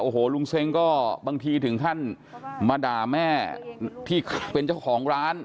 โอ้โหลุงเซ้งก็บางทีถึงขั้นมาด่าแม่ที่เป็นเจ้าของร้าน